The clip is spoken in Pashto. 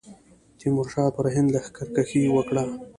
تیمورشاه پر هند لښکرکښي وکړه.